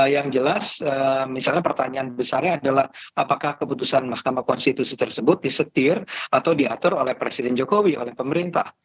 yang jelas misalnya pertanyaan besarnya adalah apakah keputusan mahkamah konstitusi tersebut disetir atau diatur oleh presiden jokowi oleh pemerintah